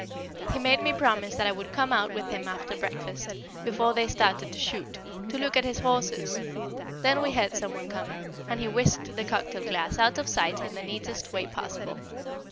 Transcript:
He made me promise that I would come out with him after breakfast, before they started to shoot, to look at his horses; then we heard some one coming, and he whisked the cocktail glass out of sight in the neatest way possible.